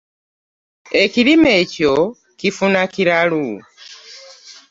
Ekirime ekyo kifuna kiralu.